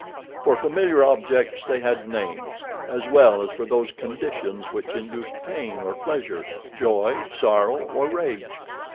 For familiar objects they had names, as well as for those conditions which induced pain or pleasure, joy, sorrow, or rage.